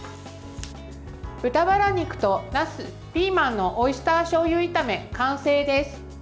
豚バラ肉となすピーマンのオイスターしょうゆ炒め完成です。